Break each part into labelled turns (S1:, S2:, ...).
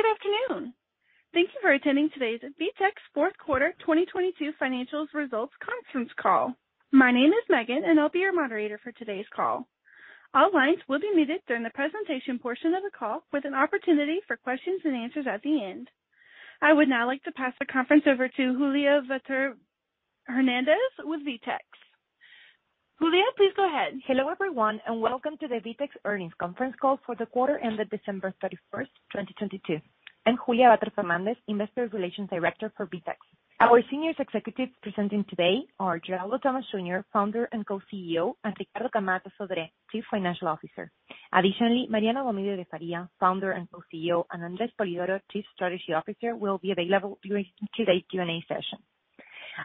S1: Good afternoon. Thank you for attending today's VTEX fourth quarter 2022 financials results conference call. My name is Megan, and I'll be your moderator for today's call. All lines will be muted during the presentation portion of the call with an opportunity for questions and answers at the end. I would now like to pass the conference over to Julia Vater Fernández with VTEX. Julia, please go ahead.
S2: Hello, everyone. Welcome to the VTEX earnings conference call for the quarter ended December 31st, 2022. I'm Julia Vater Fernández, Investor Relations Director for VTEX. Our senior executives presenting today are Geraldo Thomaz, Jr., Founder and Co-CEO, and Ricardo Camatta Sodré, Chief Financial Officer. Additionally, Mariano Gomide de Faria, Founder and Co-CEO, and Andres Spolidoro, Chief Strategy Officer, will be available during today's Q&A session.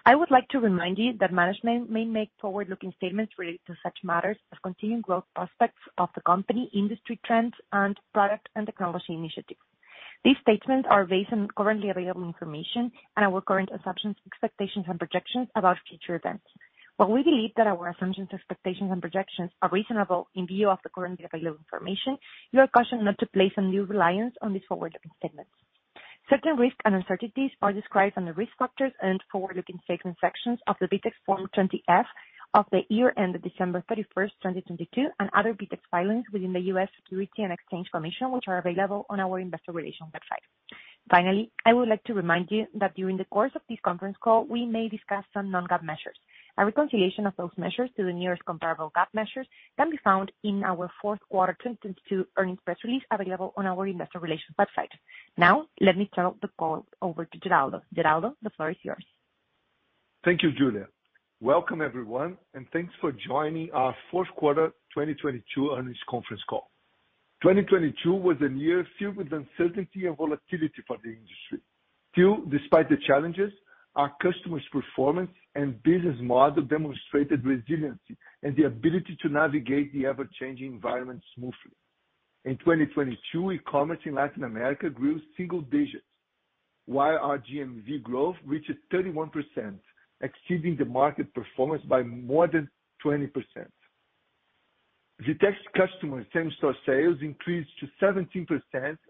S2: I would like to remind you that management may make forward-looking statements related to such matters as continuing growth prospects of the company, industry trends, and product and technology initiatives. These statements are based on currently available information and our current assumptions, expectations, and projections about future events. While we believe that our assumptions, expectations, and projections are reasonable in view of the currently available information, you are cautioned not to place undue reliance on these forward-looking statements. Certain risks and uncertainties are described in the risk factors and forward-looking statement sections of the VTEX Form 20-F of the year end of December 31st, 2022, and other VTEX filings within the U.S. Securities and Exchange Commission, which are available on our investor relations website. Finally, I would like to remind you that during the course of this conference call, we may discuss some non-GAAP measures. A reconciliation of those measures to the nearest comparable GAAP measures can be found in our fourth quarter 2022 earnings press release available on our investor relations website. Now, let me turn the call over to Geraldo. Geraldo, the floor is yours.
S3: Thank you, Julia. Welcome, everyone, and thanks for joining our fourth quarter 2022 earnings conference call. 2022 was a year filled with uncertainty and volatility for the industry. Despite the challenges, our customers' performance and business model demonstrated resiliency and the ability to navigate the ever-changing environment smoothly. In 2022, e-commerce in Latin America grew single digits, while our GMV growth reached 31%, exceeding the market performance by more than 20%. VTEX customers' same-store sales increased to 17%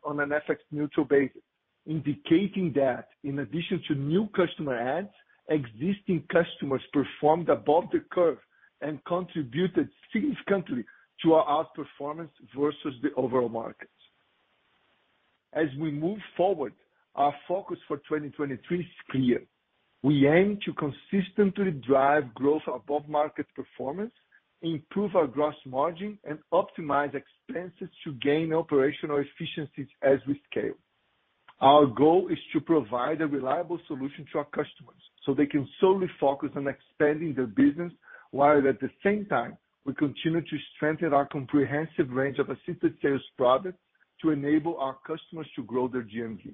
S3: on an FX neutral basis, indicating that in addition to new customer adds, existing customers performed above the curve and contributed significantly to our outperformance versus the overall market. As we move forward, our focus for 2023 is clear. We aim to consistently drive growth above market performance, improve our gross margin, and optimize expenses to gain operational efficiencies as we scale. Our goal is to provide a reliable solution to our customers so they can solely focus on expanding their business, while at the same time we continue to strengthen our comprehensive range of assisted sales products to enable our customers to grow their GMV.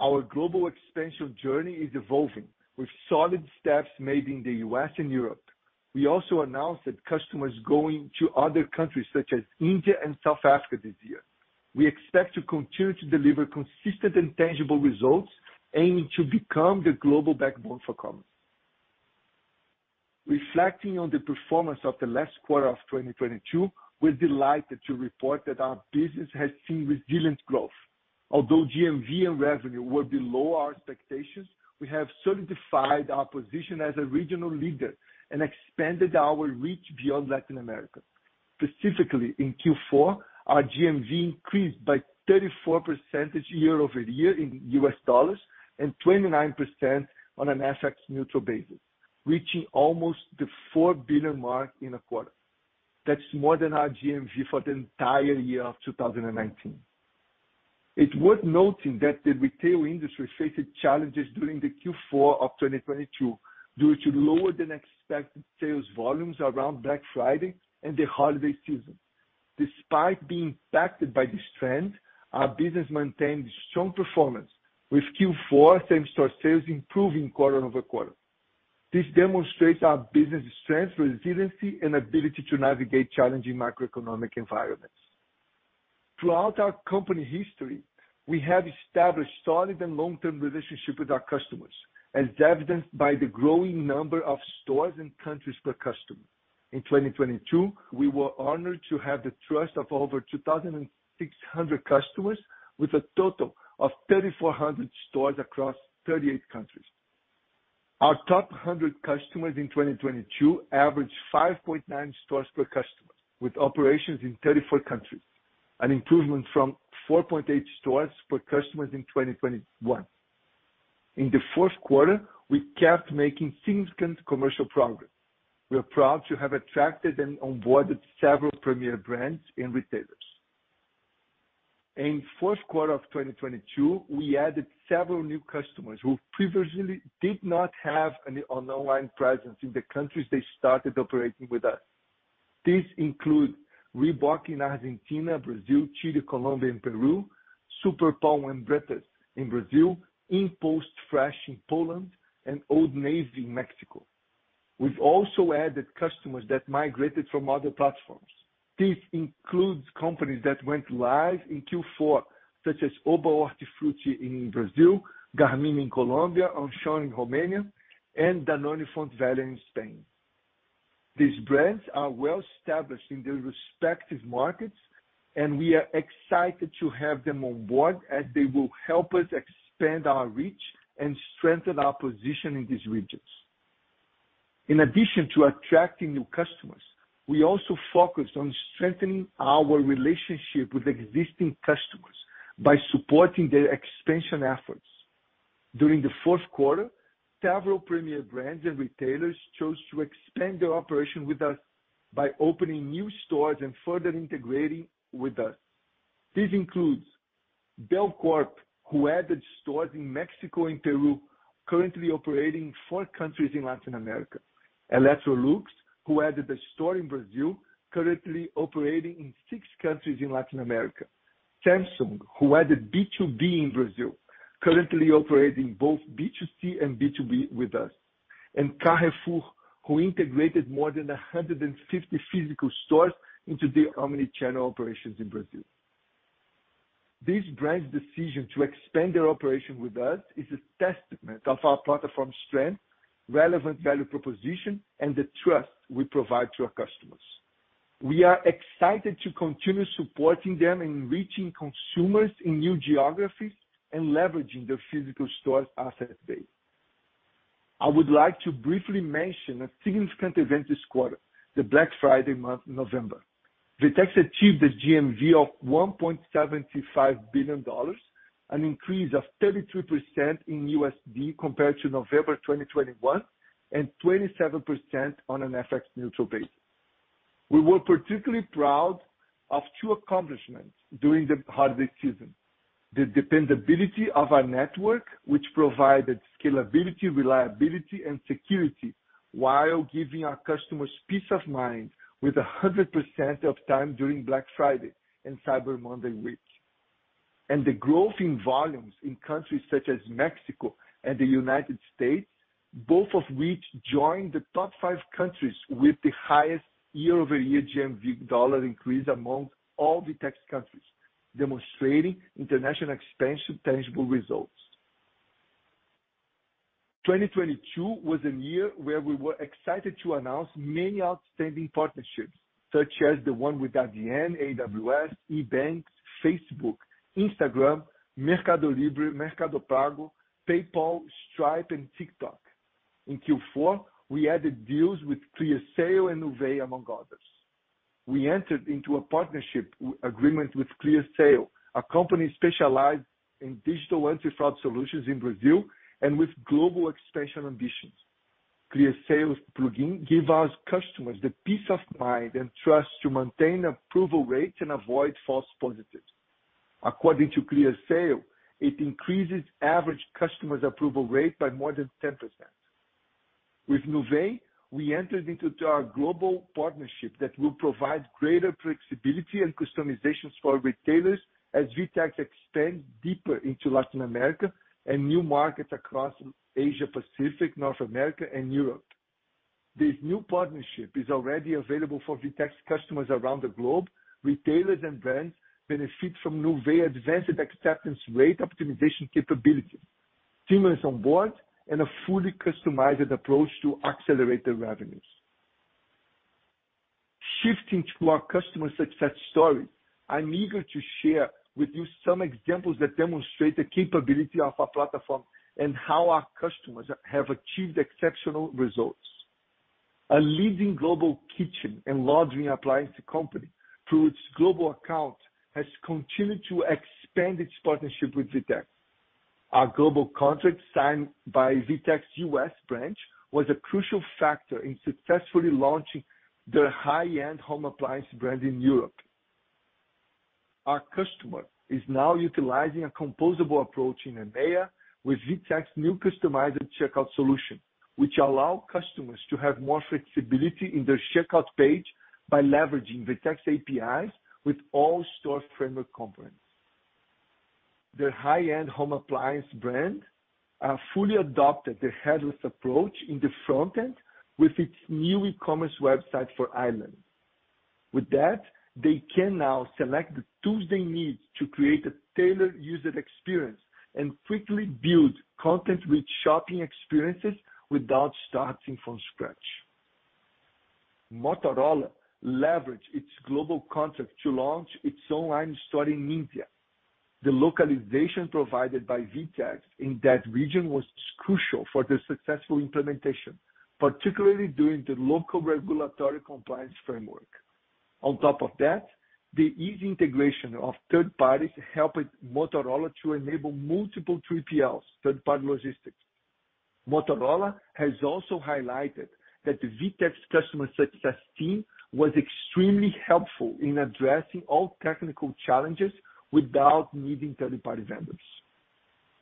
S3: Our global expansion journey is evolving with solid steps made in the U.S. and Europe. We also announced that customers going to other countries such as India and South Africa this year. We expect to continue to deliver consistent and tangible results, aiming to become the global backbone for commerce. Reflecting on the performance of the last quarter of 2022, we're delighted to report that our business has seen resilient growth. Although GMV and revenue were below our expectations, we have solidified our position as a regional leader and expanded our reach beyond Latin America. Specifically, in Q4, our GMV increased by 34% year-over-year in U.S. dollars and 29% on an FX neutral basis, reaching almost the $4 billion mark in a quarter. That's more than our GMV for the entire year of 2019. It's worth noting that the retail industry faced challenges during the Q4 of 2022 due to lower than expected sales volumes around Black Friday and the holiday season. Despite being impacted by this trend, our business maintained strong performance with Q4 same-store sales improving quarter-over-quarter. This demonstrates our business strength, resiliency, and ability to navigate challenging macroeconomic environments. Throughout our company history, we have established solid and long-term relationships with our customers, as evidenced by the growing number of stores and countries per customer. In 2022, we were honored to have the trust of over 2,600 customers with a total of 3,400 stores across 38 countries. Our top 100 customers in 2022 averaged 5.9 stores per customer, with operations in 34 countries, an improvement from 4.8 stores per customers in 2021. In the fourth quarter, we kept making significant commercial progress. We are proud to have attracted and onboarded several premier brands and retailers. In fourth quarter of 2022, we added several new customers who previously did not have any online presence in the countries they started operating with us. This include Reebok in Argentina, Brazil, Chile, Colombia, and Peru, Superpão and Bretas in Brazil, InPost Fresh in Poland, and Old Navy in Mexico. We've also added customers that migrated from other platforms. This includes companies that went live in Q4, such as Oba Hortifruti in Brazil, Garmin in Colombia, Auchan in Romania, and Danone Font Vella in Spain. These brands are well established in their respective markets, and we are excited to have them on board as they will help us expand our reach and strengthen our position in these regions. In addition to attracting new customers, we also focus on strengthening our relationship with existing customers by supporting their expansion efforts. During the fourth quarter, several premier brands and retailers chose to expand their operation with us by opening new stores and further integrating with us. This includes Belcorp, who added stores in Mexico and Peru, currently operating four countries in Latin America. Electrolux, who added a store in Brazil, currently operating in six countries in Latin America. Samsung, who added B2B in Brazil, currently operating both B2C and B2B with us. Carrefour, who integrated more than 150 physical stores into their omnichannel operations in Brazil. These brands' decision to expand their operation with us is a testament of our platform strength, relevant value proposition, and the trust we provide to our customers. We are excited to continue supporting them in reaching consumers in new geographies and leveraging their physical stores' asset base. I would like to briefly mention a significant event this quarter, the Black Friday month, November. VTEX achieved a GMV of $1.75 billion, an increase of 32% in USD compared to November 2021, and 27% on an FX neutral base. We were particularly proud of two accomplishments during the holiday season. The dependability of our network, which provided scalability, reliability, and security while giving our customers peace of mind with 100% of time during Black Friday and Cyber Monday week. The growth in volumes in countries such as Mexico and the United States, both of which joined the top five countries with the highest year-over-year GMV dollar increase among all VTEX countries, demonstrating international expansion tangible results. 2022 was a year where we were excited to announce many outstanding partnerships, such as the one with Adyen, AWS, EBANX, Facebook, Instagram, MercadoLibre, Mercado Pago, PayPal, Stripe, and TikTok. In Q4, we added deals with ClearSale and Nuvei, among others. We entered into a partnership agreement with ClearSale, a company specialized in digital anti-fraud solutions in Brazil and with global expansion ambitions. ClearSale's plugin give us customers the peace of mind and trust to maintain approval rates and avoid false positives. According to ClearSale, it increases average customers approval rate by more than 10%. With Nuvei, we entered into our global partnership that will provide greater flexibility and customizations for retailers as VTEX expands deeper into Latin America and new markets across Asia-Pacific, North America and Europe. This new partnership is already available for VTEX customers around the globe. Retailers and brands benefit from Nuvei advanced acceptance rate optimization capability, seamless on board, and a fully customized approach to accelerated revenues. Shifting to our customer success story, I'm eager to share with you some examples that demonstrate the capability of our platform and how our customers have achieved exceptional results. A leading global kitchen and laundry appliance company, through its global account, has continued to expand its partnership with VTEX. Our global contract signed by VTEX U.S. branch was a crucial factor in successfully launching their high-end home appliance brand in Europe. Our customer is now utilizing a composable approach in EMEA with VTEX new customized checkout solution, which allow customers to have more flexibility in their checkout page by leveraging VTEX APIs with all Store Framework components. Their high-end home appliance brand have fully adopted the headless approach in the front end with its new e-commerce website for Ireland. With that, they can now select the tools they need to create a tailored user experience and quickly build content-rich shopping experiences without starting from scratch. Motorola leveraged its global contract to launch its online store in India. The localization provided by VTEX in that region was crucial for the successful implementation, particularly during the local regulatory compliance framework. On top of that, the easy integration of third parties helped Motorola to enable multiple 3PLs, third-party logistics. Motorola has also highlighted that the VTEX customer success team was extremely helpful in addressing all technical challenges without needing third-party vendors.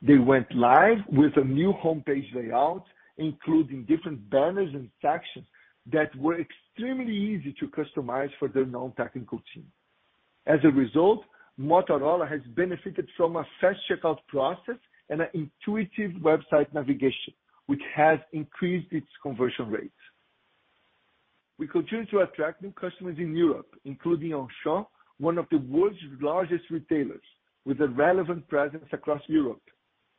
S3: They went live with a new homepage layout, including different banners and sections that were extremely easy to customize for their non-technical team. As a result, Motorola has benefited from a fast checkout process and an intuitive website navigation, which has increased its conversion rates. We continue to attract new customers in Europe, including Auchan, one of the world's largest retailers with a relevant presence across Europe.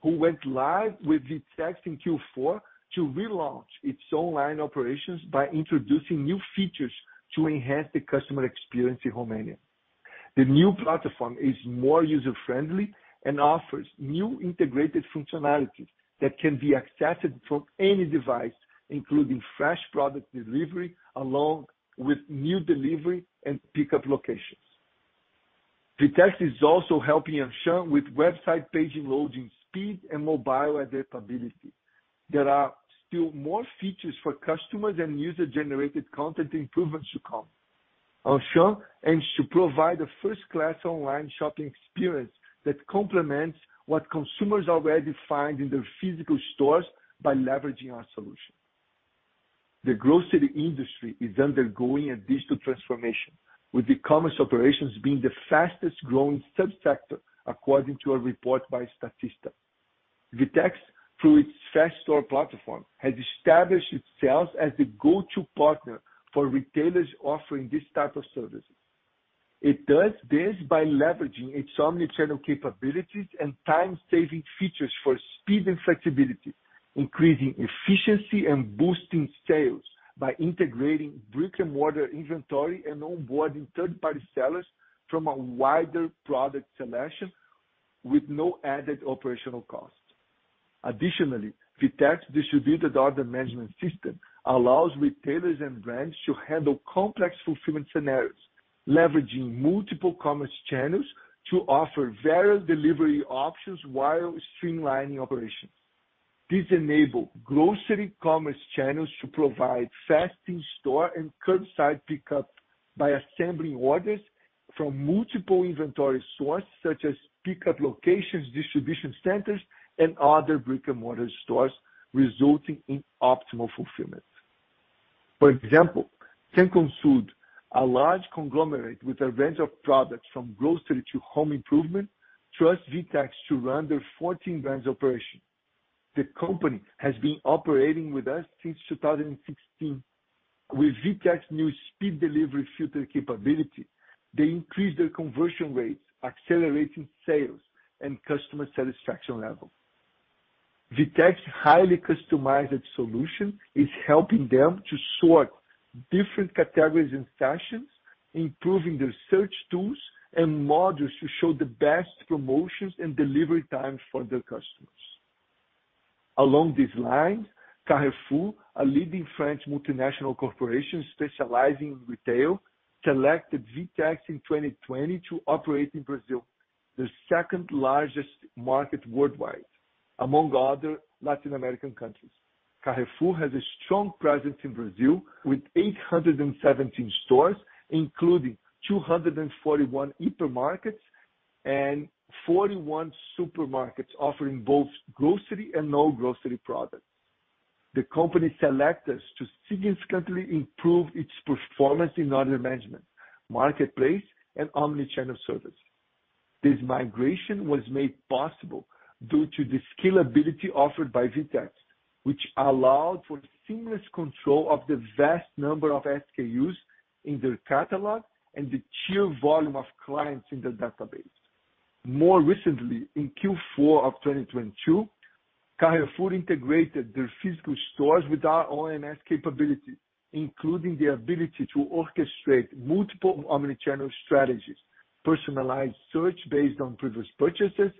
S3: Who went live with VTEX in Q4 to relaunch its online operations by introducing new features to enhance the customer experience in Romania. The new platform is more user-friendly and offers new integrated functionalities that can be accessed from any device, including fresh product delivery, along with new delivery and pickup locations. VTEX is also helping Auchan with website page loading speed and mobile adaptability. There are still more features for customers and user-generated content improvements to come. Auchan aims to provide a first-class online shopping experience that complements what consumers already find in their physical stores by leveraging our solution. The grocery industry is undergoing a digital transformation, with e-commerce operations being the fastest growing subsector, according to a report by Statista. VTEX, through its fresh store platform, has established itself as the go-to partner for retailers offering this type of services. It does this by leveraging its omnichannel capabilities and time-saving features for speed and flexibility, increasing efficiency and boosting sales by integrating brick-and-mortar inventory and onboarding third-party sellers from a wider product selection with no added operational costs. Additionally, VTEX Distributed Order Management system allows retailers and brands to handle complex fulfillment scenarios, leveraging multiple commerce channels to offer various delivery options while streamlining operations. This enable grocery commerce channels to provide fast in-store and curbside pickup by assembling orders from multiple inventory sources, such as pickup locations, distribution centers, and other brick-and-mortar stores, resulting in optimal fulfillment. For example, Cencosud, a large conglomerate with a range of products from grocery to home improvement, trusts VTEX to run their 14 brands operation. The company has been operating with us since 2016. With VTEX new Speedy Delivery feature capability, they increased their conversion rates, accelerating sales and customer satisfaction level. VTEX highly customized solution is helping them to sort different categories and sessions, improving their search tools and modules to show the best promotions and delivery times for their customers. Along these lines, Carrefour, a leading French multinational corporation specializing in retail, selected VTEX in 2020 to operate in Brazil, the second largest market worldwide, among other Latin American countries. Carrefour has a strong presence in Brazil with 817 stores, including 241 hypermarkets and 41 supermarkets offering both grocery and non-grocery products. The company select us to significantly improve its performance in order management, marketplace, and omnichannel service. This migration was made possible due to the scalability offered by VTEX, which allowed for seamless control of the vast number of SKUs in their catalog and the sheer volume of clients in their database. More recently, in Q4 of 2022, Carrefour integrated their physical stores with our OMS capability, including the ability to orchestrate multiple omnichannel strategies, personalized search based on previous purchases,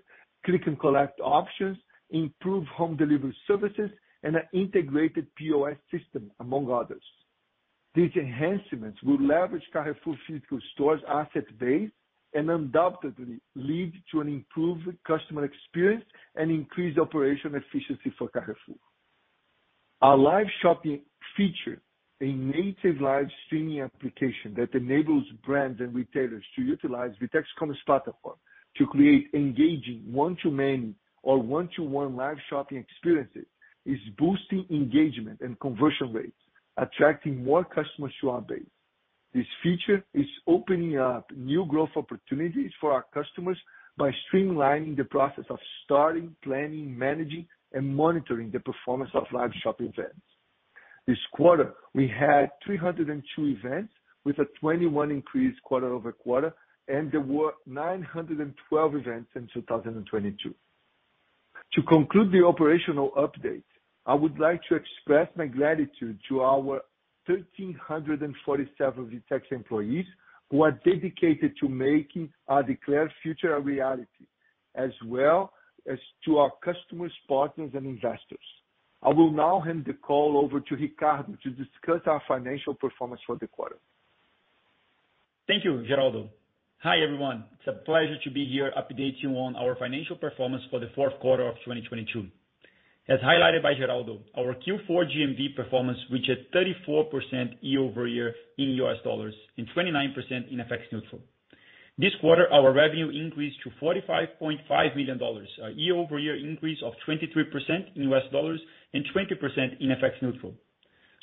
S3: click-and-collect options, improved home delivery services, and an integrated POS system, among others. These enhancements will leverage Carrefour physical stores asset base and undoubtedly lead to an improved customer experience and increased operational efficiency for Carrefour. Our Live Shopping feature, a native live streaming application that enables brands and retailers to utilize VTEX Commerce Platform to create engaging one-to-many or one-to-one Live Shopping experiences, is boosting engagement and conversion rates, attracting more customers to our base. This feature is opening up new growth opportunities for our customers by streamlining the process of starting, planning, managing, and monitoring the performance of Live Shopping events. This quarter, we had 302 events with a 21% increase quarter-over-quarter, and there were 912 events in 2022. To conclude the operational update, I would like to express my gratitude to our 1,347 VTEX employees who are dedicated to making our declared future a reality, as well as to our customers, partners, and investors. I will now hand the call over to Ricardo to discuss our financial performance for the quarter.
S4: Thank you, Geraldo. Hi, everyone. It's a pleasure to be here updating you on our financial performance for the fourth quarter of 2022. As highlighted by Geraldo, our Q4 GMV performance reached 34% year-over-year in U.S. dollars and 29% in FX neutral. This quarter, our revenue increased to $45.5 million, a year-over-year increase of 23% in U.S. dollars and 20% in FX neutral.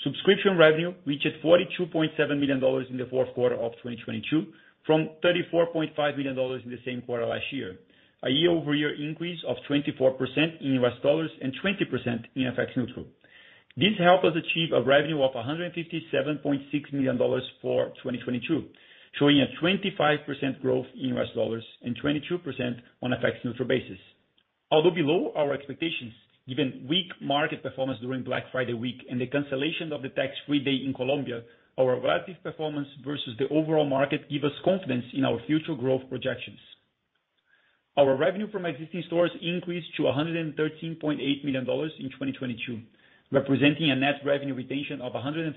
S4: Subscription revenue reached $42.7 million in the fourth quarter of 2022 from $34.5 million in the same quarter last year, a year-over-year increase of 24% in U.S. dollars and 20% in FX neutral. This helped us achieve a revenue of $157.6 million for 2022, showing a 25% growth in U.S. dollars and 22% on a FX neutral basis. Although below our expectations, given weak market performance during Black Friday week and the cancellation of the tax-free day in Colombia, our relative performance versus the overall market give us confidence in our future growth projections. Our revenue from existing stores increased to $113.8 million in 2022, representing a net revenue retention of 105%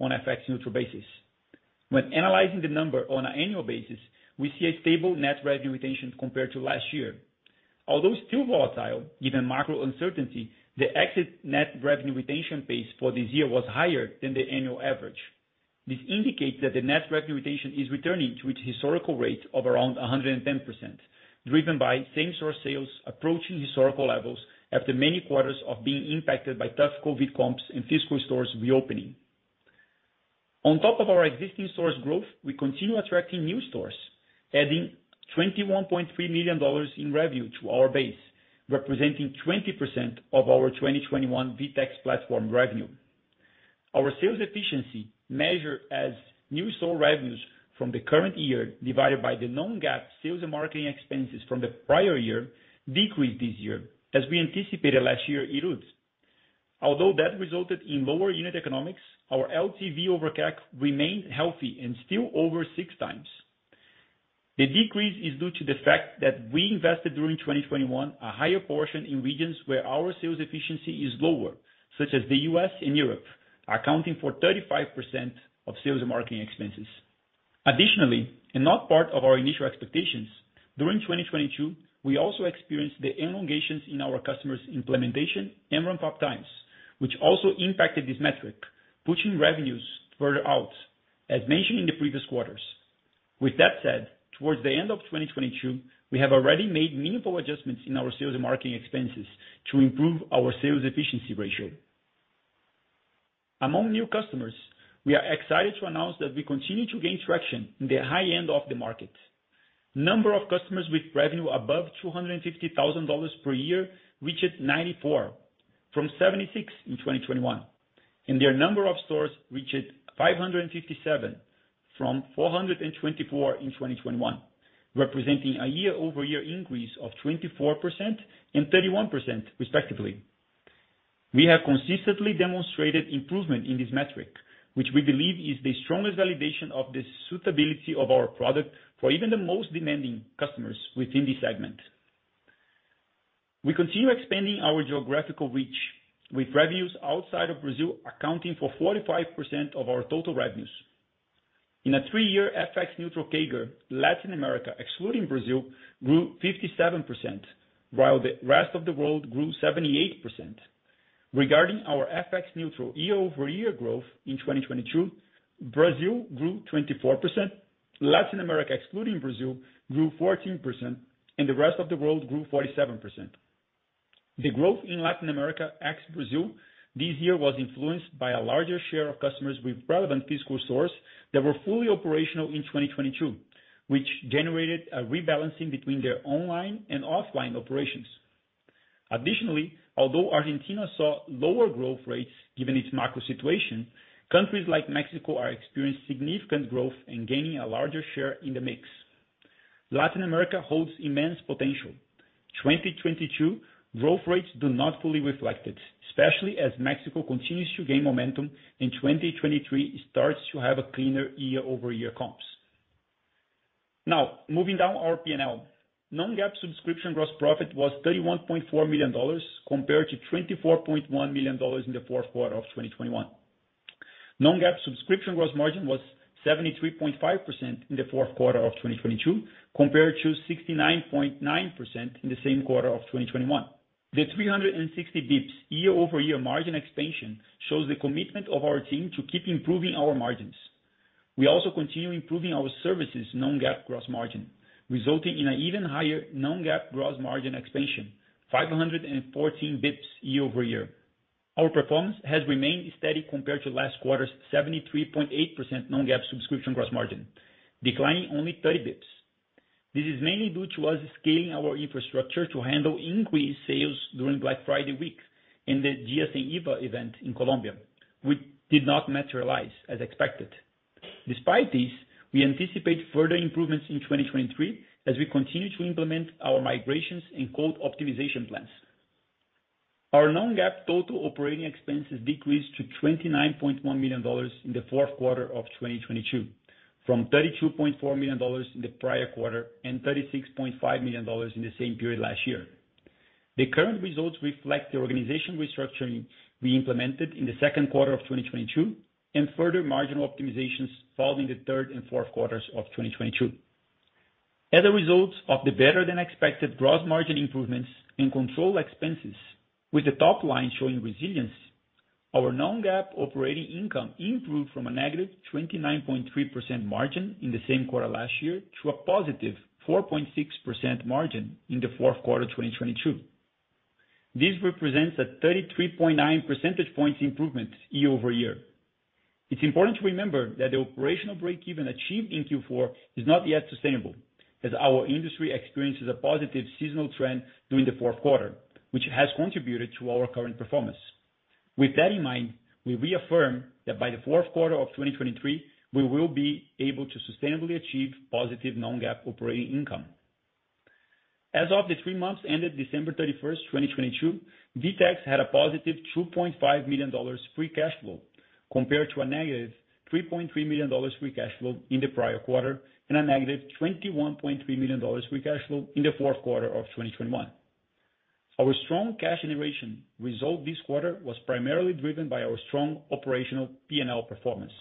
S4: on a FX neutral basis. When analyzing the number on an annual basis, we see a stable net revenue retention compared to last year. Although still volatile, given macro uncertainty, the exit net revenue retention pace for this year was higher than the annual average. This indicates that the net revenue retention is returning to its historical rate of around 110%, driven by same-store sales approaching historical levels after many quarters of being impacted by tough COVID comps and physical stores reopening. On top of our existing stores growth, we continue attracting new stores, adding $21.3 million in revenue to our base, representing 20% of our 2021 VTEX platform revenue. Our sales efficiency measure as new store revenues from the current year divided by the non-GAAP sales and marketing expenses from the prior year decreased this year as we anticipated last year it would. Although that resulted in lower unit economics, our LTV/CAC remained healthy and still over 6x. The decrease is due to the fact that we invested during 2021 a higher portion in regions where our sales efficiency is lower, such as the U.S. and Europe, accounting for 35% of sales and marketing expenses. Additionally, not part of our initial expectations, during 2022, we also experienced the elongations in our customers' implementation and ramp-up times, which also impacted this metric, pushing revenues further out, as mentioned in the previous quarters. With that said, towards the end of 2022, we have already made meaningful adjustments in our sales and marketing expenses to improve our sales efficiency ratio. Among new customers, we are excited to announce that we continue to gain traction in the high end of the market. Number of customers with revenue above $250,000 per year reached 94 from 76 in 2021. Their number of stores reached 557 from 424 in 2021, representing a year-over-year increase of 24% and 31% respectively. We have consistently demonstrated improvement in this metric, which we believe is the strongest validation of the suitability of our product for even the most demanding customers within this segment. We continue expanding our geographical reach with revenues outside of Brazil accounting for 45% of our total revenues. In a three-year FX neutral CAGR, Latin America, excluding Brazil, grew 57%, while the rest of the world grew 78%. Regarding our FX neutral year-over-year growth in 2022, Brazil grew 24%, Latin America, excluding Brazil, grew 14%, and the rest of the world grew 47%. The growth in Latin America, ex Brazil, this year was influenced by a larger share of customers with relevant physical stores that were fully operational in 2022, which generated a rebalancing between their online and offline operations. Additionally, although Argentina saw lower growth rates given its macro situation, countries like Mexico are experiencing significant growth and gaining a larger share in the mix. Latin America holds immense potential. 2022 growth rates do not fully reflect it, especially as Mexico continues to gain momentum and 2023 starts to have a cleaner year-over-year comps. Now, moving down our P&L. Non-GAAP subscription gross profit was $31.4 million compared to $24.1 million in the fourth quarter of 2021. Non-GAAP subscription gross margin was 73.5% in the fourth quarter of 2022, compared to 69.9% in the same quarter of 2021. The 360 basis points year-over-year margin expansion shows the commitment of our team to keep improving our margins. We also continue improving our services' non-GAAP gross margin, resulting in an even higher non-GAAP gross margin expansion, 514 basis points year-over-year. Our performance has remained steady compared to last quarter's 73.8% non-GAAP subscription gross margin, declining only 30 basis points. This is mainly due to us scaling our infrastructure to handle increased sales during Black Friday week and the Día sin IVA event in Colombia, which did not materialize as expected. Despite this, we anticipate further improvements in 2023 as we continue to implement our migrations and code optimization plans. Our non-GAAP total operating expenses decreased to $29.1 million in the fourth quarter of 2022 from $32.4 million in the prior quarter and $36.5 million in the same period last year. The current results reflect the organization restructuring we implemented in the second quarter of 2022 and further marginal optimizations following the third and fourth quarters of 2022. As a result of the better than expected gross margin improvements and controlled expenses with the top line showing resilience, our non-GAAP operating income improved from a negative 29.3% margin in the same quarter last year to a positive 4.6% margin in the fourth quarter of 2022. This represents a 33.9 percentage points improvement year-over-year. It's important to remember that the operational break-even achieved in Q4 is not yet sustainable, as our industry experiences a positive seasonal trend during the fourth quarter, which has contributed to our current performance. With that in mind, we reaffirm that by the fourth quarter of 2023, we will be able to sustainably achieve positive non-GAAP operating income. As of the three months ended December 31st, 2022, VTEX had a +$2.5 million free cash flow compared to a -$3.3 million free cash flow in the prior quarter, and a -$21.3 million free cash flow in the fourth quarter of 2021. Our strong cash generation result this quarter was primarily driven by our strong operational P&L performance.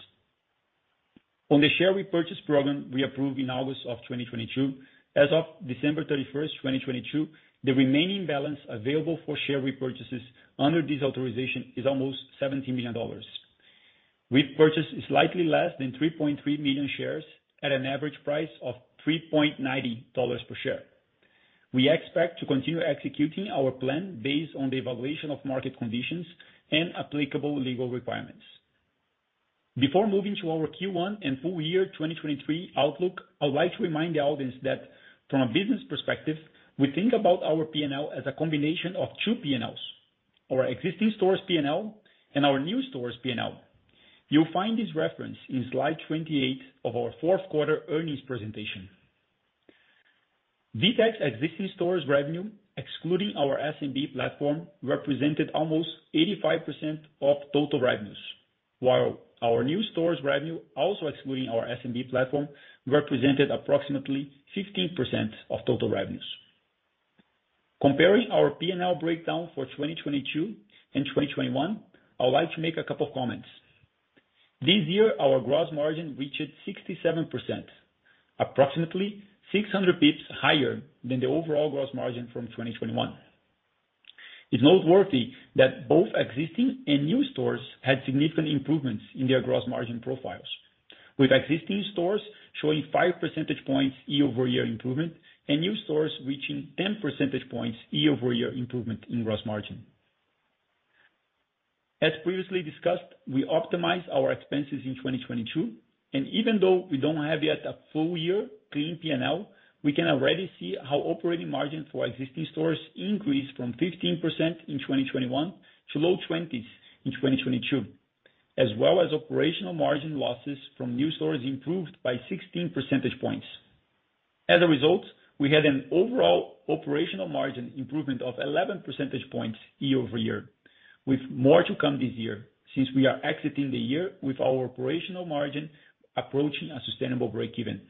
S4: On the share repurchase program we approved in August of 2022, as of December 31st, 2022, the remaining balance available for share repurchases under this authorization is almost $17 million. We've purchased slightly less than 3.3 million shares at an average price of $3.90 per share. We expect to continue executing our plan based on the evaluation of market conditions and applicable legal requirements. Before moving to our Q1 and full year 2023 outlook, I'd like to remind the audience that from a business perspective, we think about our P&L as a combination of two P&Ls, our existing stores P&L and our new stores P&L. You'll find this reference in slide 28 of our fourth quarter earnings presentation. VTEX existing stores revenue, excluding our SMB platform, represented almost 85% of total revenues, while our new stores revenue, also excluding our SMB platform, represented approximately 15% of total revenues. Comparing our P&L breakdown for 2022 and 2021, I would like to make a couple of comments. This year, our gross margin reached 67%, approximately 600 basis points higher than the overall gross margin from 2021. It's noteworthy that both existing and new stores had significant improvements in their gross margin profiles, with existing stores showing 5 percentage points year-over-year improvement, and new stores reaching 10 percentage points year-over-year improvement in gross margin. Previously discussed, we optimized our expenses in 2022, and even though we don't have yet a full year clean P&L, we can already see how operating margin for existing stores increased from 15% in 2021 to low 20s in 2022, as well as operational margin losses from new stores improved by 16 percentage points. A result, we had an overall operational margin improvement of 11 percentage points year-over-year, with more to come this year since we are exiting the year with our operational margin approaching a sustainable break-even.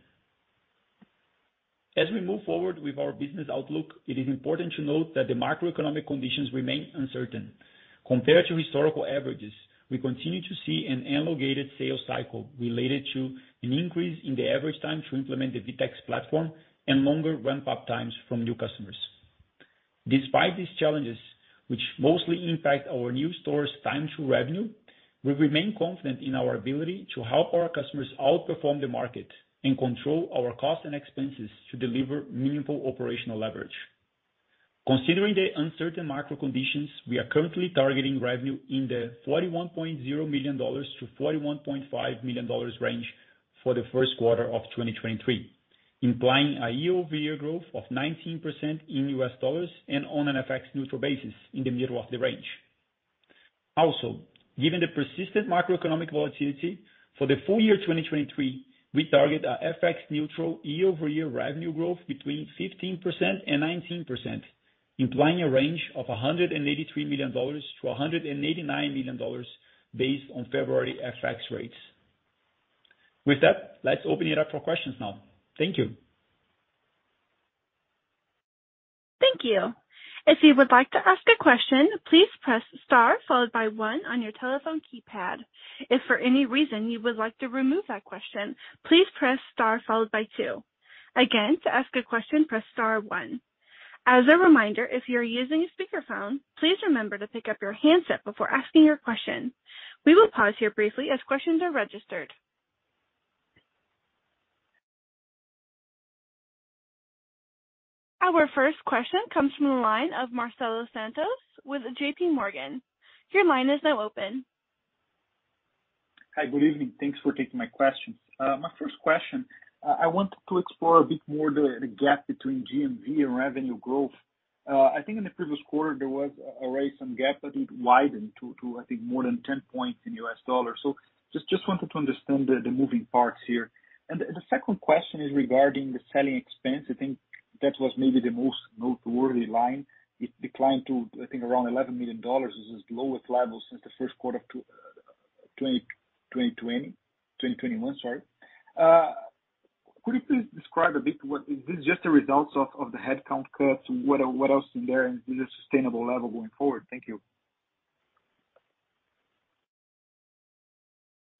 S4: We move forward with our business outlook, it is important to note that the macroeconomic conditions remain uncertain. Compared to historical averages, we continue to see an elongated sales cycle related to an increase in the average time to implement the VTEX platform and longer ramp-up times from new customers. Despite these challenges, which mostly impact our new stores time to revenue, we remain confident in our ability to help our customers outperform the market and control our costs and expenses to deliver meaningful operational leverage. Considering the uncertain macro conditions, we are currently targeting revenue in the $41.0 million-$41.5 million range for the first quarter of 2023, implying a year-over-year growth of 19% in USD and on an FX neutral basis in the middle of the range. Also, given the persistent macroeconomic volatility for the full year 2023, we target a FX neutral year-over-year revenue growth between 15% and 19%, implying a range of $183 million-$189 million based on February FX rates. With that, let's open it up for questions now. Thank you.
S1: Thank you. If you would like to ask a question, please press star followed by one on your telephone keypad. If for any reason you would like to remove that question, please press star followed by two. Again, to ask a question, press star one. As a reminder, if you are using a speakerphone, please remember to pick up your handset before asking your question. We will pause here briefly as questions are registered. Our first question comes from the line of Marcelo Santos with JPMorgan. Your line is now open.
S5: Hi. Good evening. Thanks for taking my questions. My first question, I want to explore a bit more the gap between GMV and revenue growth. I think in the previous quarter, there was already some gap, but it widened to, I think more than 10 points in U.S. dollars. Just wanted to understand the moving parts here. The second question is regarding the selling expense. I think that was maybe the most noteworthy line. It declined to, I think, around $11 million. This is the lowest level since the first quarter of 2021, sorry. Could you please describe a bit what is this just the results of the headcount cuts? What, what else in there, and this is a sustainable level going forward? Thank you.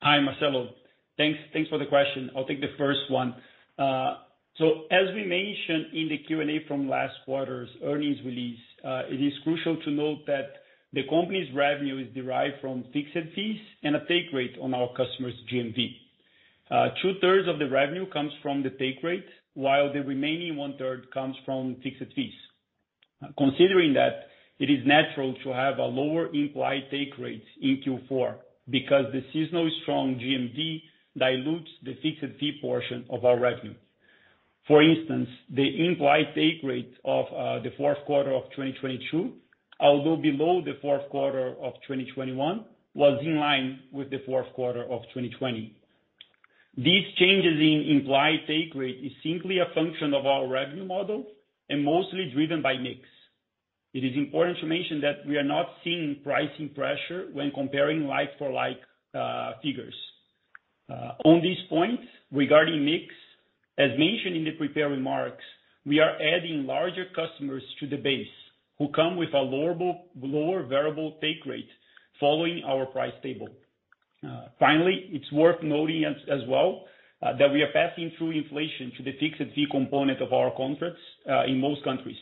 S4: Hi, Marcelo. Thanks for the question. I'll take the first one. As we mentioned in the Q&A from last quarter's earnings release, it is crucial to note that the company's revenue is derived from fixed fees and a take rate on our customers' GMV. 2/3 of the revenue comes from the take rate, while the remaining 1/3 comes from fixed fees. Considering that it is natural to have a lower implied take rates in Q4 because the seasonal strong GMV dilutes the fixed fee portion of our revenue. For instance, the implied take rate of the fourth quarter of 2022, although below the fourth quarter of 2021, was in line with the fourth quarter of 2020. These changes in implied take rate is simply a function of our revenue model and mostly driven by mix. It is important to mention that we are not seeing pricing pressure when comparing like-for-like figures. On these points regarding mix, as mentioned in the prepared remarks, we are adding larger customers to the base who come with a lower variable take rate following our price table. Finally, it's worth noting as well that we are passing through inflation to the fixed fee component of our contracts in most countries.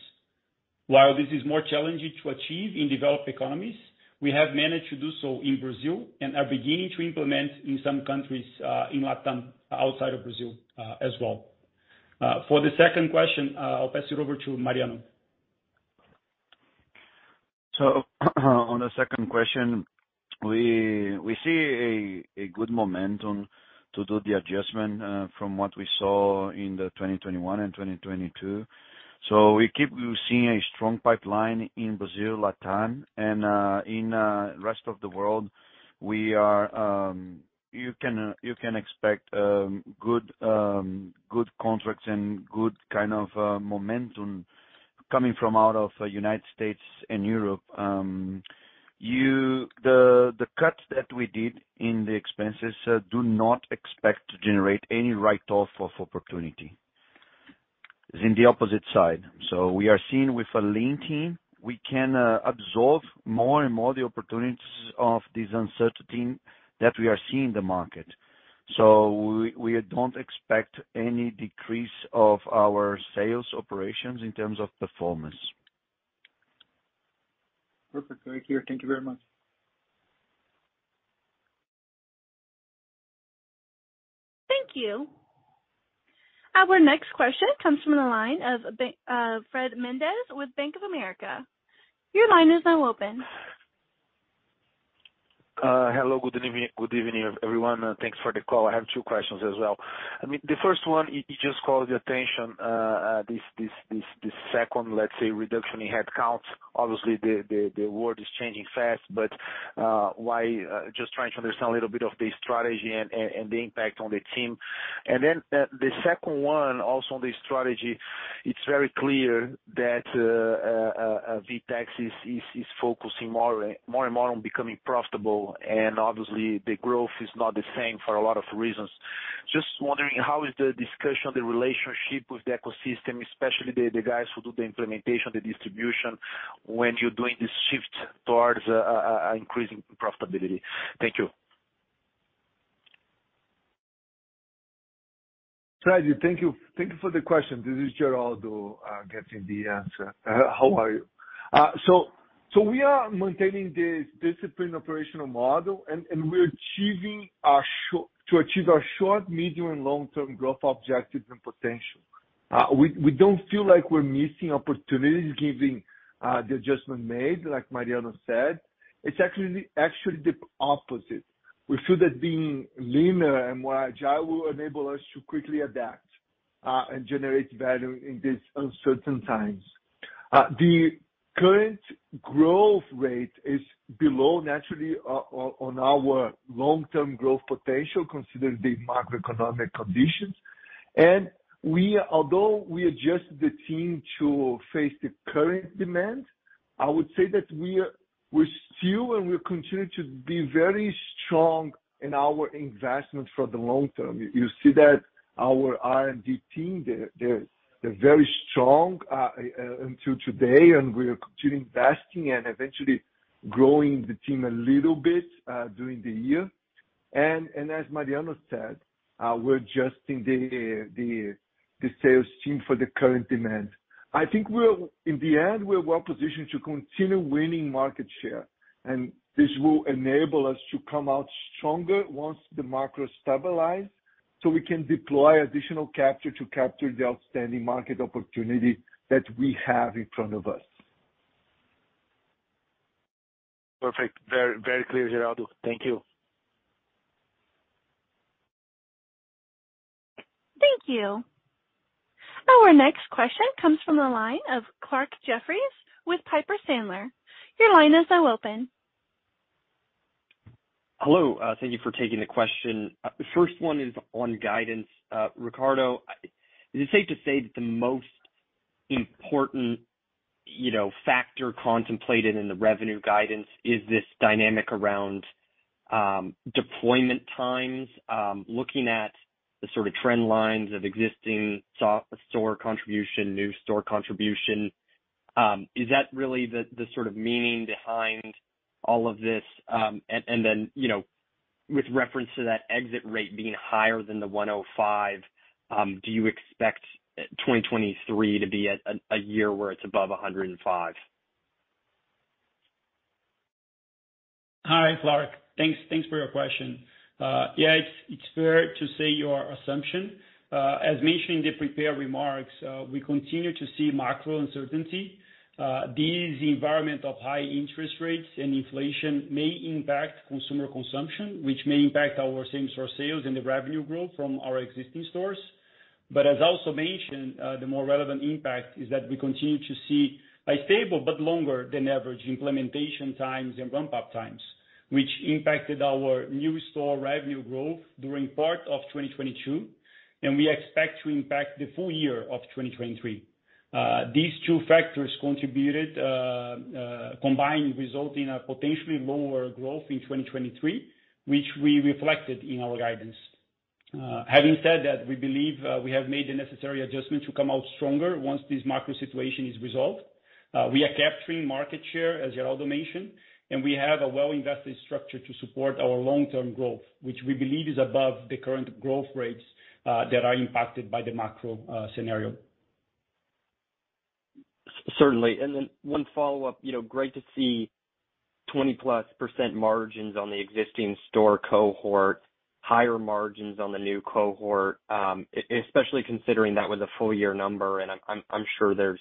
S4: While this is more challenging to achieve in developed economies, we have managed to do so in Brazil and are beginning to implement in some countries in [LATAM] outside of Brazil as well. For the second question, I'll pass it over to Mariano.
S6: On the second question, we see a good momentum to do the adjustment from what we saw in the 2021 and 2022. We keep seeing a strong pipeline in Brazil, Latin, and in rest of the world, you can expect good contracts and good kind of momentum coming from out of United States and Europe. The cuts that we did in the expenses do not expect to generate any write-off of opportunity. Is in the opposite side. We are seeing with a lean team, we can absorb more and more the opportunities of this uncertainty that we are seeing in the market. We don't expect any decrease of our sales operations in terms of performance.
S5: Perfect. Thank you. Thank you very much.
S1: Thank you. Our next question comes from the line of Fred Mendes with Bank of America. Your line is now open.
S7: Hello. Good evening, everyone. Thanks for the call. I have two questions as well. I mean, the first one, it just calls your attention, this second, let's say, reduction in headcounts. Obviously, the world is changing fast, but why, just trying to understand a little bit of the strategy and the impact on the team. Then, the second one, also on the strategy, it's very clear that VTEX is focusing more and more on becoming profitable, and obviously the growth is not the same for a lot of reasons. Just wondering how is the discussion, the relationship with the ecosystem, especially the guys who do the implementation, the distribution, when you're doing this shift towards increasing profitability. Thank you.
S3: Fred, thank you. Thank you for the question. This is Geraldo, getting the answer. How are you? We are maintaining this disciplined operational model, and we're achieving to achieve our short, medium, and long-term growth objectives and potential. We don't feel like we're missing opportunities giving the adjustment made, like Mariano said. It's actually the opposite. We feel that being leaner and more agile will enable us to quickly adapt, and generate value in these uncertain times. The current growth rate is below naturally on our long-term growth potential, considering the macroeconomic conditions. Although we adjust the team to face the current demand, I would say that we still and will continue to be very strong in our investment for the long term. You see that our R&D team, they're very strong until today, and we're still investing and eventually growing the team a little bit during the year. As Mariano said, we're adjusting the sales team for the current demand. I think in the end, we're well-positioned to continue winning market share, and this will enable us to come out stronger once the market stabilize, so we can deploy additional capture to capture the outstanding market opportunity that we have in front of us.
S7: Perfect. Very, very clear, Geraldo. Thank you.
S1: Thank you. Our next question comes from the line of Clarke Jeffries with Piper Sandler. Your line is now open.
S8: Hello. Thank you for taking the question. The first one is on guidance. Ricardo, is it safe to say that the most important, you know, factor contemplated in the revenue guidance is this dynamic around deployment times, looking at the sort of trend lines of existing so-store contribution, new store contribution, is that really the sort of meaning behind all of this? Then, you know, with reference to that exit rate being higher than 105%, do you expect 2023 to be a year where it's above 105%?
S4: Thanks for your question. Yeah, it's fair to say your assumption. As mentioned in the prepared remarks, we continue to see macro uncertainty. This environment of high interest rates and inflation may impact consumer consumption, which may impact our same-store sales and the revenue growth from our existing stores. As I also mentioned, the more relevant impact is that we continue to see a stable but longer than average implementation times and ramp-up times, which impacted our new store revenue growth during part of 2022, and we expect to impact the full year of 2023. These two factors contributed, combined result in a potentially lower growth in 2023, which we reflected in our guidance. Having said that, we believe we have made the necessary adjustments to come out stronger once this macro situation is resolved. We are capturing market share, as Geraldo mentioned, and we have a well-invested structure to support our long-term growth, which we believe is above the current growth rates that are impacted by the macro scenario.
S8: Certainly. One follow-up, you know, great to see 20%+ margins on the existing store cohort, higher margins on the new cohort, especially considering that was a full year number. I'm sure there's,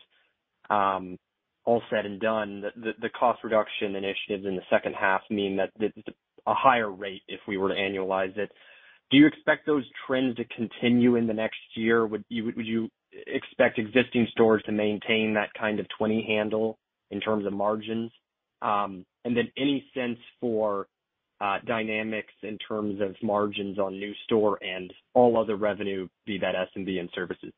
S8: all said and done, the cost reduction initiatives in the second half mean that it's a higher rate if we were to annualize it. Do you expect those trends to continue in the next year? Would you expect existing stores to maintain that kind of 20 handle in terms of margins? Any sense for dynamics in terms of margins on new store and all other revenue, be that SMB and services?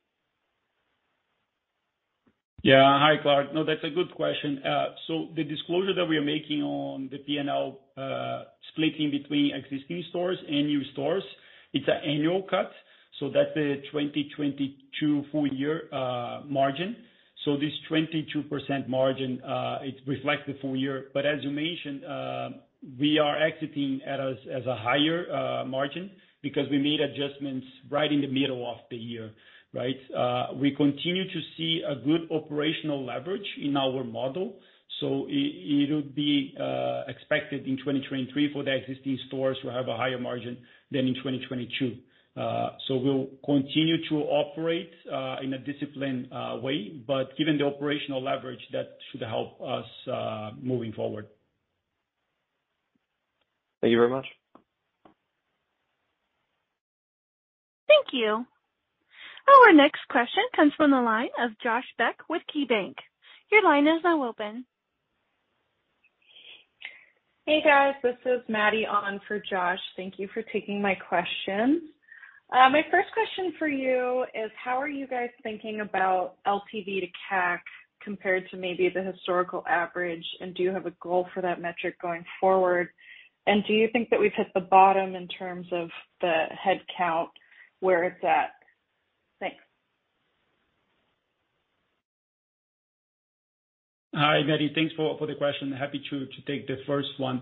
S4: Yeah. Hi, Clarke. No, that's a good question. The disclosure that we are making on the P&L, splitting between existing stores and new stores, it's an annual cut, that's a 2022 full year margin. This 22% margin, it reflects the full year. As you mentioned, we are exiting as a higher margin because we made adjustments right in the middle of the year, right? We continue to see a good operational leverage in our model, so it'll be expected in 2023 for the existing stores to have a higher margin than in 2022. We'll continue to operate in a disciplined way, but given the operational leverage, that should help us moving forward.
S8: Thank you very much.
S1: Thank you. Our next question comes from the line of Josh Beck with KeyBanc. Your line is now open.
S9: Hey, guys, this is Maddie on for Josh. Thank you for taking my questions. My first question for you is, how are you guys thinking about LTV/CAC compared to maybe the historical average? Do you have a goal for that metric going forward? Do you think that we've hit the bottom in terms of the headcount, where it's at? Thanks.
S4: Hi, Maddie. Thanks for the question. Happy to take the first one.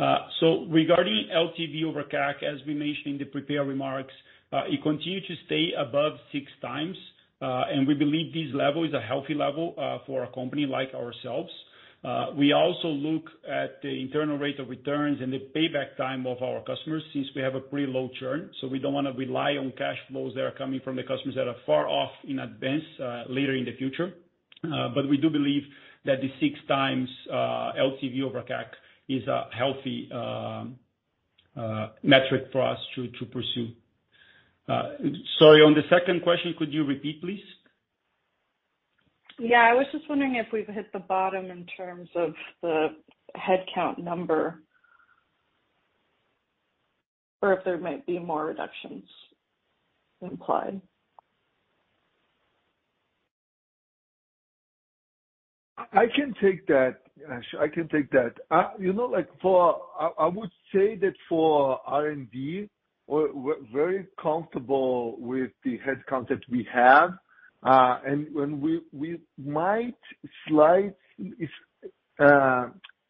S4: Regarding LTV/CAC, as we mentioned in the prepared remarks, it continue to stay above 6x, and we believe this level is a healthy level for a company like ourselves. We also look at the internal rate of return and the payback time of our customers since we have a pretty low churn. We don't wanna rely on cash flows that are coming from the customers that are far off in advance later in the future. We do believe that the 6x LTV/CAC is a healthy metric for us to pursue. Sorry, on the second question, could you repeat, please?
S9: Yeah. I was just wondering if we've hit the bottom in terms of the headcount number or if there might be more reductions implied?
S3: I can take that. I can take that. You know, like, I would say that for R&D, we're very comfortable with the head count that we have. And when we might slight,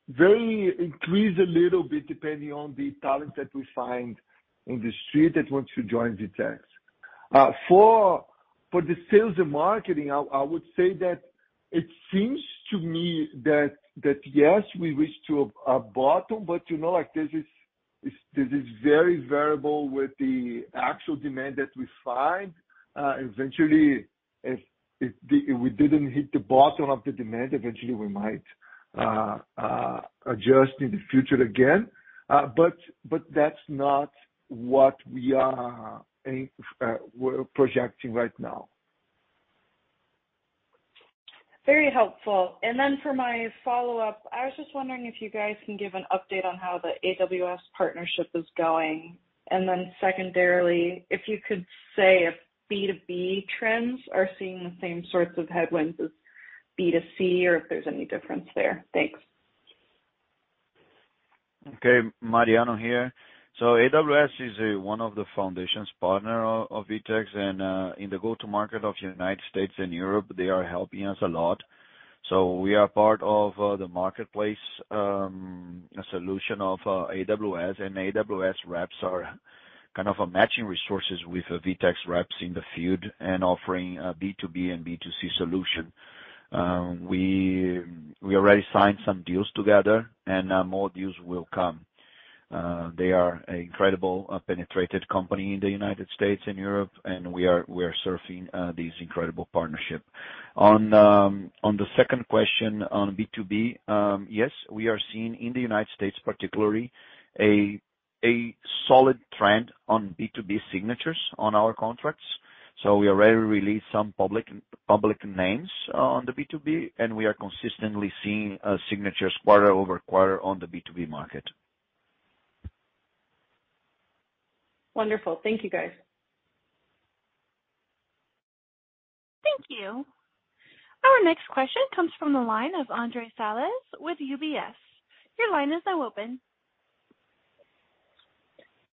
S3: very increase a little bit depending on the talent that we find in the street that wants to join VTEX. For the sales and marketing, I would say that it seems to me that, yes, we reached to a bottom, but, you know, like this is very variable with the actual demand that we find. Eventually, if we didn't hit the bottom of the demand, eventually we might adjust in the future again. But that's not what we are, we're projecting right now.
S9: Very helpful. For my follow-up, I was just wondering if you guys can give an update on how the AWS partnership is going? Secondarily, if you could say if B2B trends are seeing the same sorts of headwinds as B2C or if there's any difference there? Thanks.
S6: Mariano here. AWS is one of the foundations partner of VTEX. In the go-to market of the United States and Europe, they are helping us a lot. We are part of the marketplace solution of AWS. AWS reps are kind of matching resources with VTEX reps in the field and offering B2B and B2C solution. We already signed some deals together and more deals will come. They are incredible, penetrated company in the United States and Europe, and we are surfing this incredible partnership. On the second question on B2B, yes, we are seeing in the United States particularly a solid trend on B2B signatures on our contracts. We already released some public names on the B2B, we are consistently seeing signatures quarter-over-quarter on the B2B market.
S9: Wonderful. Thank you, guys.
S1: Thank you. Our next question comes from the line of Andre Salles with UBS. Your line is now open.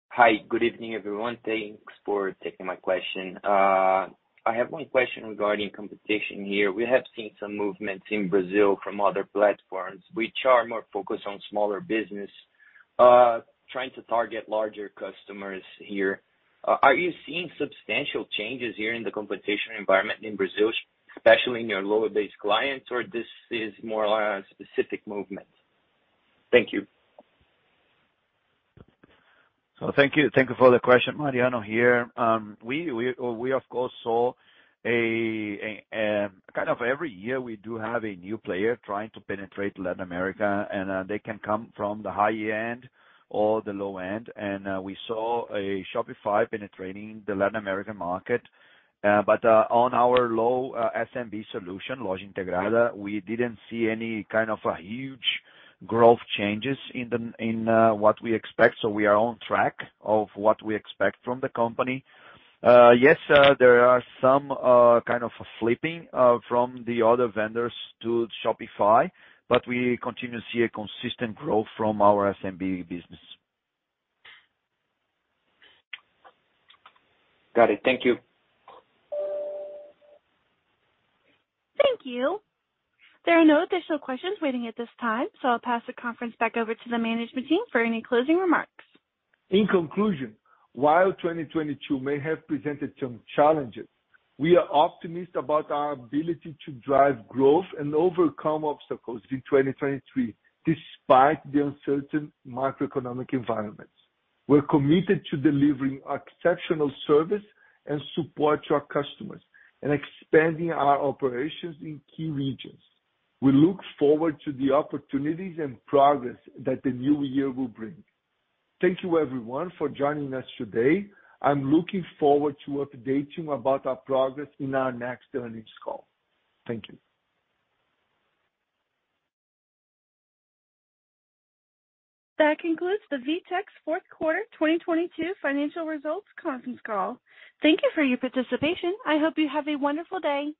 S10: Hi. Good evening, everyone. Thanks for taking my question. I have one question regarding competition here. We have seen some movements in Brazil from other platforms which are more focused on smaller business, trying to target larger customers here. Are you seeing substantial changes here in the competition environment in Brazil, especially in your lower base clients, or this is more or less specific movement? Thank you.
S6: Thank you. Thank you for the question. Mariano here. We of course, saw a kind of every year we do have a new player trying to penetrate Latin America, and they can come from the high-end or the low end. We saw a Shopify penetrating the Latin American market. On our low SMB solution, Loja Integrada, we didn't see any kind of a huge growth changes in what we expect, so we are on track of what we expect from the company. Yes, there are some kind of flipping from the other vendors to Shopify, but we continue to see a consistent growth from our SMB business.
S10: Got it. Thank you.
S1: Thank you. There are no additional questions waiting at this time, so I'll pass the conference back over to the management team for any closing remarks.
S3: In conclusion, while 2022 may have presented some challenges, we are optimistic about our ability to drive growth and overcome obstacles in 2023 despite the uncertain macroeconomic environments. We're committed to delivering exceptional service and support to our customers and expanding our operations in key regions. We look forward to the opportunities and progress that the new year will bring. Thank you everyone for joining us today. I'm looking forward to updating about our progress in our next earnings call. Thank you.
S1: That concludes the VTEX fourth quarter 2022 financial results conference call. Thank you for your participation. I hope you have a wonderful day.